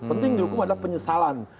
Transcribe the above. penting dihukum adalah penyesalan